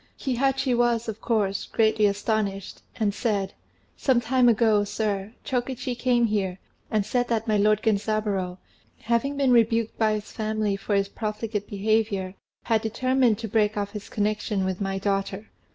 Kihachi was of course greatly astonished, and said, "Some time ago, sir, Chokichi came here and said that my lord Genzaburô, having been rebuked by his family for his profligate behaviour, had determined to break off his connection with my daughter.